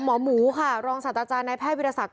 หมอหมูค่ะรองศาสตราจารย์นายแพทย์วิทยาศักดิ